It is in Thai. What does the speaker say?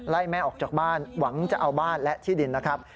แม่ออกจากบ้านหวังจะเอาบ้านและที่ดินนะครับ